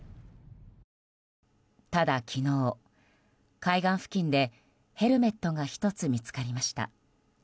ただ昨日、海岸付近でヘルメットが１つ見つかりました。